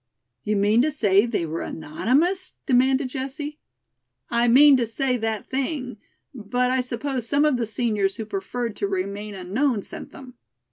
"You mean to say they were anonymous?" demanded Jessie. "I mean to say that thing, but I suppose some of the seniors who preferred to remain unknown sent them."